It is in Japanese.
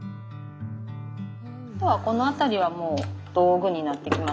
あとはこの辺りはもう道具になってきますね。